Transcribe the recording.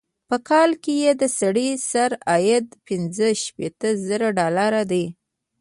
په کال کې یې د سړي سر عاید پنځه شپيته زره ډالره دی.